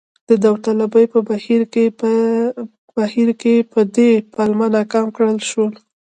د داوطلبۍ په بهیر کې په دې پلمه ناکام کړل شو.